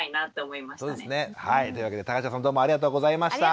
そうですね。というわけで田頭さんどうもありがとうございました。